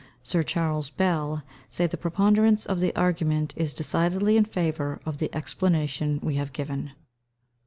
Sir Charles Bell says the preponderance of the argument is decidedly in favour of the explanation we have given.